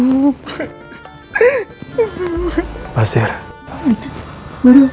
allah akan selalu ada bersama kalian